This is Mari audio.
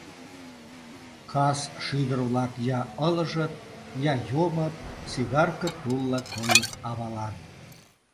Кас шӱдыр-влак я ылыжыт, я йомыт, сигарке тулла койыт авалан.